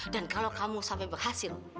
dan kalau kamu sampai berhasil